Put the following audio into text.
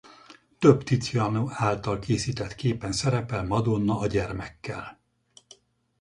Több Tiziano által készített képen szerepel Madonna a gyermekkel.